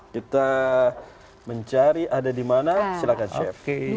kita mencari ada di mana silahkan chef